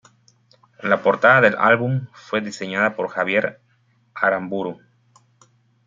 La portada del álbum fue diseñada por Javier Aramburu.